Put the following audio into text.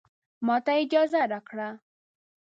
ماته اجازه راکړه